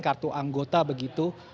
kartu anggota begitu